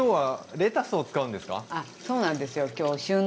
そうなんですよ今日え。